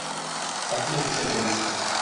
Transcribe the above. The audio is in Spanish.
Página oficial del disco